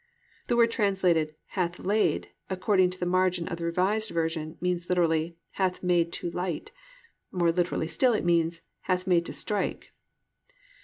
The word translated "hath laid," according to the margin of the Revised Version, means literally, "hath made to light." More literally still it means, "hath made to strike."